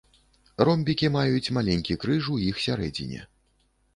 Ромбікі маюць маленькі крыж у іх сярэдзіне.